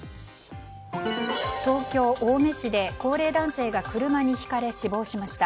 東京・青梅市で、高齢男性が車にひかれ死亡しました。